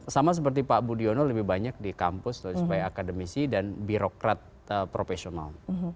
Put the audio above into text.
sama seperti pak budiono lebih banyak di kampus sebagai akademisi dan birokrat profesional